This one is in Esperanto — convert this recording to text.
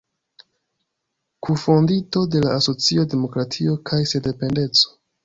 Kunfondinto de la asocio Demokratio kaj sendependeco.